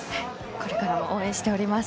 これからも応援しています。